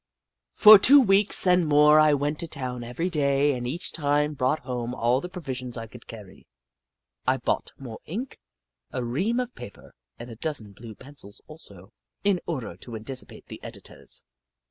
For two weeks and more I went to town every day, and each time brought home all the provisions I could carry. I bought more ink, a ream of paper, and a dozen blue pencils also, in order to anticipate the editors.